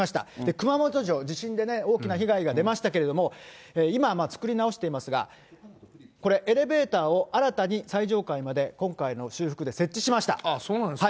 熊本城、地震で大きな被害が出ましたけれども、今、作り直していますが、これ、エレベーターを新たに最上階まで、今回の修復で設そうなんですか。